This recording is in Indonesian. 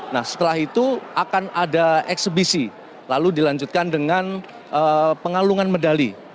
nah setelah itu akan ada eksebisi lalu dilanjutkan dengan pengalungan medali